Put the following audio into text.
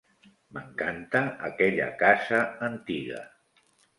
M'encanta aquella casa antiga.